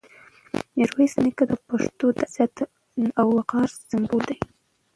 میرویس نیکه د پښتنو د عزت او وقار سمبول دی.